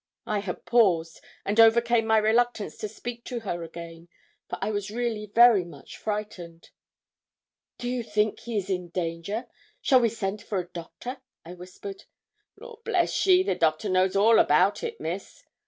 I had paused, and overcame my reluctance to speak to her again, for I was really very much frightened. 'Do you think he is in danger? Shall we send for a doctor?' I whispered. 'Law bless ye, the doctor knows all about it, miss.'